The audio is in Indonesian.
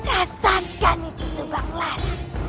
rasakan itu subah kelar